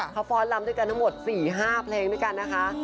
เขาฟ้อนลำด้วยกันทั้งหมด๔๕เพลงด้วยกันนะคะ